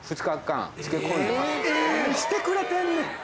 ・・何してくれてんねん・